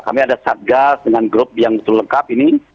kami ada satgas dengan grup yang betul lengkap ini